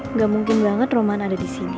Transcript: nggak mungkin banget romahan ada di sini